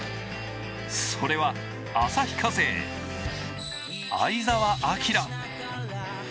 それは旭化成、相澤晃。